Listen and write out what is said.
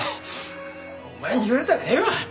お前に言われたくねえわ！